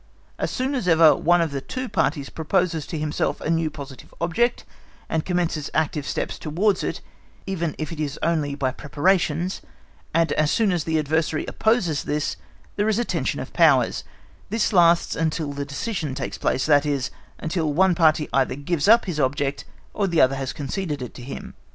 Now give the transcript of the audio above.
As soon as ever one of the two parties proposes to himself a new positive object, and commences active steps towards it, even if it is only by preparations, and as soon as the adversary opposes this, there is a tension of powers; this lasts until the decision takes place—that is, until one party either gives up his object or the other has conceded it to him.